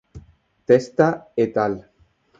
Testa "et al.